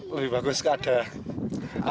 lebih bagus keadaan